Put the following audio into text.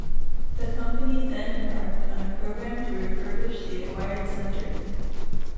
The company then embarked on a program to refurbish the acquired centres.